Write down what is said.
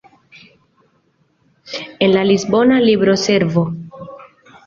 En la Lisbona libroservo.